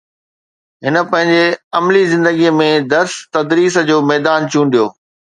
هن پنهنجي عملي زندگيءَ ۾ درس تدريس جو ميدان چونڊيو